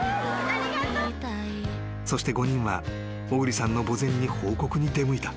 ［そして５人は小栗さんの墓前に報告に出向いた］